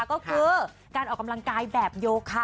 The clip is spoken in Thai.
ก็คือการออกกำลังกายแบบโยคะ